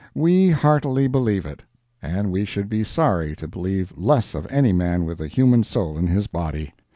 We heartily believe it, and we should be sorry to believe less of any man with a human soul in his body.